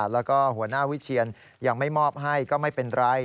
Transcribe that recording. แล้วก็หัวหน้าวิเชียนยังไม่มอบให้ก็ไม่เป็นไร